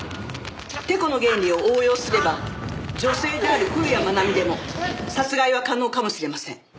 てこの原理を応用すれば女性である古谷愛美でも殺害は可能かもしれません。